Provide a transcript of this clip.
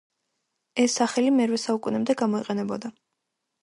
ეს სახელი მერვე საუკუნემდე გამოიყენებოდა.